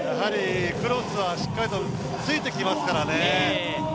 クロスはしっかりとついてきますからね。